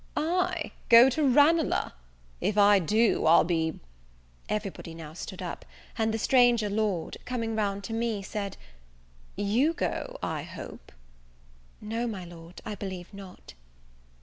"I go to Ranelagh? if I do, I'll be ." Everybody now stood up; and the stranger Lord, coming round to me, said, "You go, I hope?" "No, my Lord, I believe not."